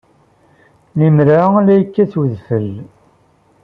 Imir-a, la yekkat udfel.